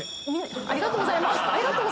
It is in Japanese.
ありがとうございます！